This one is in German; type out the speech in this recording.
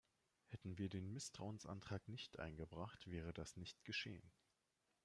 Hätten wir den Misstrauensantrag nicht eingebracht, wäre das nicht geschehen.